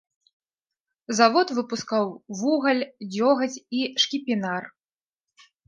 Завод выпускаў вугаль, дзёгаць і шкіпінар.